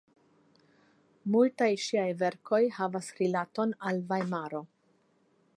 Multaj ŝiaj verkoj havas rilaton al Vajmaro.